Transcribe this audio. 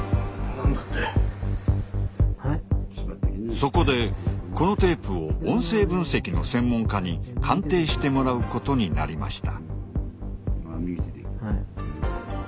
そこでこのテープを音声分析の専門家に鑑定してもらうことになりました。